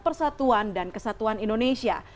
persatuan dan kesatuan indonesia